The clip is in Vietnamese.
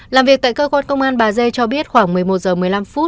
làm việc tại cơ quan công an bà d cho biết khoảng một mươi một h một mươi năm